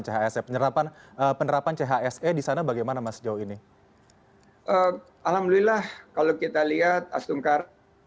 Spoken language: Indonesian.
chse penerapan penerapan chse di sana bagaimana mas jauh ini alhamdulillah kalau kita lihat astungkar